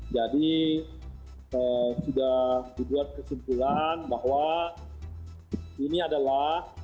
jadi sudah dibuat kesimpulan bahwa ini adalah